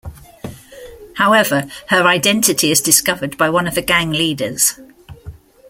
However, her identity is discovered by one of the gang leaders.